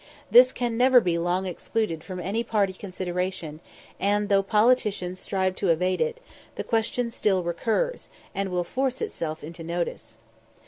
This can never be long excluded from any party consideration, and, though politicians strive to evade it, the question still recurs, and will force itself into notice.